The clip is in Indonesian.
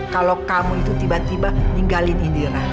kalau kamu itu tiba tiba ninggalin idera